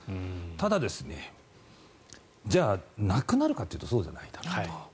ただ、じゃあなくなるかというとそうじゃないだろうと。